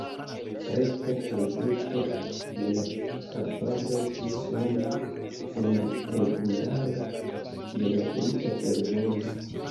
Rekta rezulto de la rabado estis ŝanĝo en la regularo de la brita fervojo.